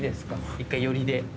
１回寄りで。